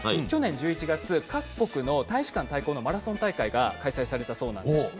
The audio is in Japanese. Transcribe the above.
去年１１月各国の大使館対抗のマラソン大会が開催されたそうです。